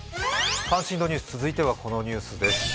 関心度ニュース、続いてはこのニュースです。